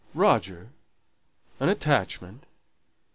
"Roger! an attachment!